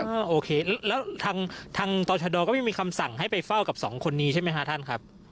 ก็โอเคแล้วทางต่อชะดอก็ไม่มีคำสั่งให้ไปเฝ้ากับสองคนนี้ใช่ไหมฮะท่านครับ